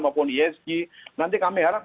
maupun isg nanti kami harap